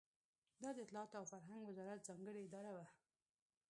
دا د اطلاعاتو او فرهنګ وزارت ځانګړې اداره وه.